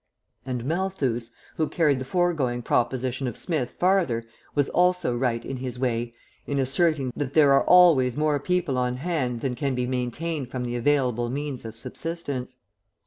And Malthus, who carried the foregoing proposition of Smith farther, was also right, in his way, in asserting that there are always more people on hand than can be maintained from the available means of subsistence.